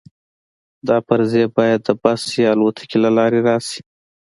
دا پرزې باید د بس یا الوتکې له لارې راشي